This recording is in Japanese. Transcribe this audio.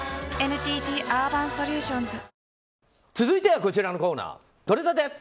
続いてはこちらのコーナーとれたて！